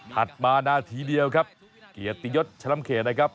มานาทีเดียวครับเกียรติยศชล้ำเขตนะครับ